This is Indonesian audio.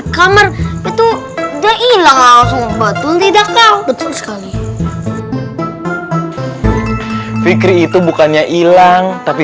kamar itu udah hilang betul tidak kau betul sekali fikri itu bukannya hilang tapi